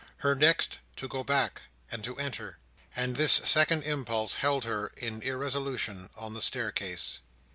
Her next, to go back, and to enter; and this second impulse held her in irresolution on the staircase.